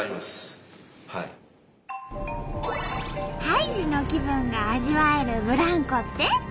ハイジの気分が味わえるブランコって？